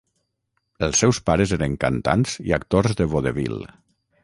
Els seus pares eren cantants i actors de vodevil.